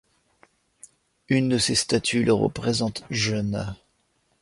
Une de ces statues le représente jeune.